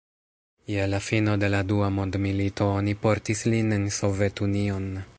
Je la fino de la dua mondmilito oni portis lin en Sovetunion.